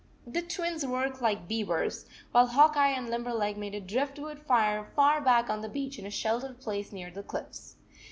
The Twins worked like beavers, while Hawk Eye and Limberleg made a drift wood fire far back on the beach in a shel tered place near the cliffs.